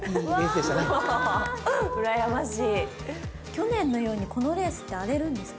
去年のようにこのレースって荒れるんですか？